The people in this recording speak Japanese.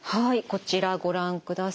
こちらご覧ください。